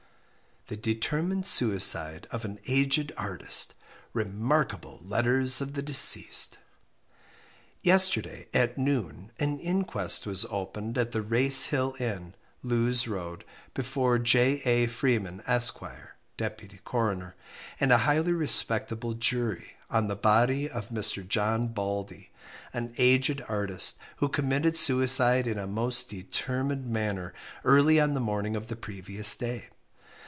The Determined Suicide of an Aged Artist. REMARKABLE LETTERS OF THE DECEASED. Yesterday, at noon, an inquest was opened at the Race Hill Inn, Lewes Road, before J. A. Freeman, Esq. (deputy coroner), and a highly respectable jury, on the body of Mr. John Baldey, an aged artist, who committed suicide in a most determined manner early on the morning of the previous day.